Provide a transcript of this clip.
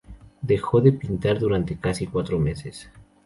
Dejó de pintar durante casi cuatro meses.